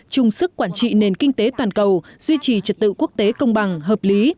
chung sức quản trị nền kinh tế toàn cầu duy trì trật tự quốc tế công bằng hợp lý